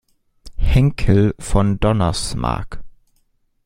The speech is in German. Henckel von Donnersmarck.